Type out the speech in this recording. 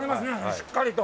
しっかりと。